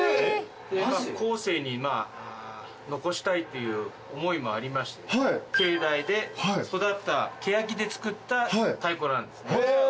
後世に残したいという思いもありまして境内で育ったケヤキで作った太鼓なんですね。